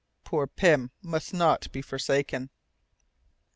Poor Pym must not be forsaken!"